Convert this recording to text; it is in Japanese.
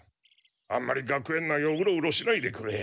あんまり学園内をウロウロしないでくれ。